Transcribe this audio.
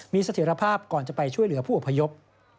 มีเสถียรภาพก่อนจะไปช่วยเหลือผู้อพยพ